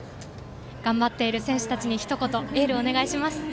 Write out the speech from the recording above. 頑張っている選手たちにひと言エールをお願いします。